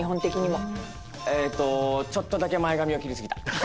ちょっとだけ前髪を切り過ぎた。